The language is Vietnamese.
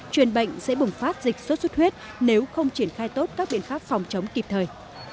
truyền bệnh sẽ bùng phát dịch sốt xuất huyết nếu không triển khai tốt các biện pháp phòng chống kịp thời